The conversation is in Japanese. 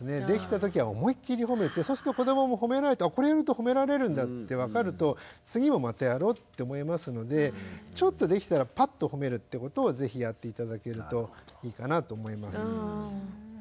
できた時は思い切りほめてそうすると子どももほめられると「あこれやるとほめられるんだ」って分かると「次もまたやろう」って思いますのでちょっとできたらパッとほめるってことを是非やって頂けるといいかなと思います。